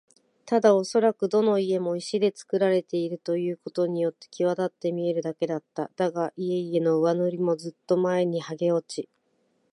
ただおそらくどの家も石でつくられているということによってきわだって見えるだけだった。だが、家々の上塗りもずっと前にはげ落ち、